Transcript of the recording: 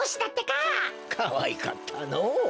かわいかったのぉ。